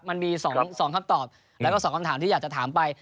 มันมี๒คำตอบแล้วก็๒คำถามที่อยากจะถามไป